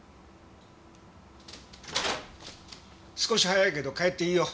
少し早いけど帰っていいよ。